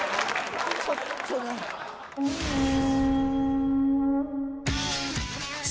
ちょっとね。